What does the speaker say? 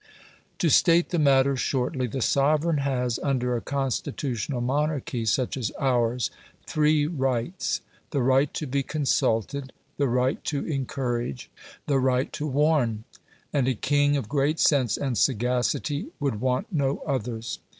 To state the matter shortly, the sovereign has, under a constitutional monarchy such as ours, three rights the right to be consulted, the right to encourage, the right to warn. And a king of great sense and sagacity would want no others.